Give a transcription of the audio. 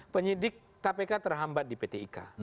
penyidik kpk terhambat di pt ika